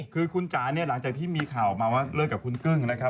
คือคุณจ๋าเนี่ยหลังจากที่มีข่าวออกมาว่าเลิกกับคุณกึ้งนะครับ